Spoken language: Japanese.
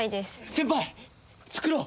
先輩作ろう！